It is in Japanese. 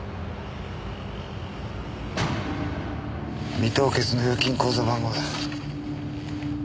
未凍結の預金口座番号だ。